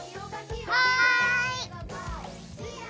はい！